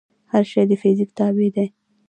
هر شی د فزیک تابع دی.